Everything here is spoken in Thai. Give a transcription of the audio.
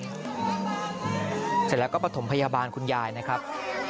เสร็จแล้วก็ประถมพยาบาลคุณยายนะครับ